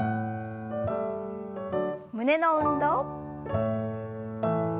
胸の運動。